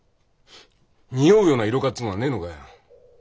匂うような色香っつうのがねえのかよ。